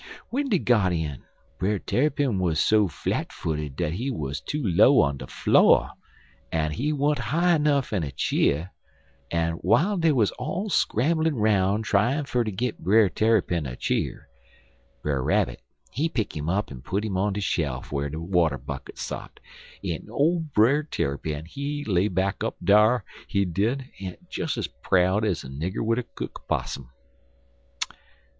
"W'en dey got in, Brer Tarrypin wuz so flat footed dat he wuz too low on de flo', en he wern't high nuff in a cheer, but while dey wuz all scrambling' 'roun' tryin' fer ter git Brer Tarrypin a cheer, Brer Rabbit, he pick 'im up en put 'im on de shelf whar de water bucket sot, en ole Brer Tarrypin, he lay back up dar, he did, des es proud ez a nigger wid a cook possum.